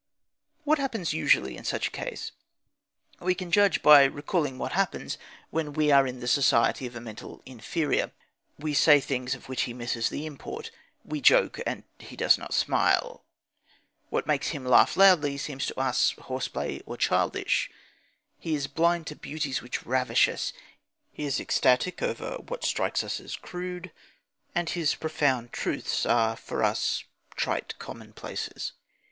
What happens usually in such a case? We can judge by recalling what happens when we are in the society of a mental inferior. We say things of which he misses the import; we joke, and he does not smile; what makes him laugh loudly seems to us horseplay or childish; he is blind to beauties which ravish us; he is ecstatic over what strikes us as crude; and his profound truths are for us trite commonplaces.